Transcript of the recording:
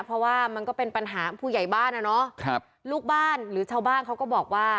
เพราะว่ามันก็เป็นปัญหาผู้ใหญ่บ้านอ่ะเนาะครับลูกบ้านหรือชาวบ้านเขาก็บอกว่า